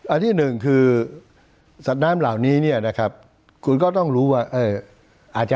อันที่หนึ่งคือสัตว์น้ำเหล่านี้เนี่ยนะครับคุณก็ต้องรู้ว่าอาจจะ